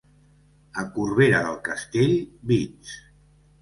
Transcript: A Corbera del Castell, vits.